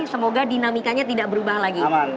semoga dinamikanya tidak berubah lagi